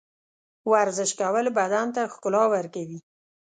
ورزش کول بدن ته ښکلا ورکوي.